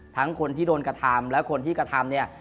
ทั้งคนที่โดนกระทำและคนที่กระทำ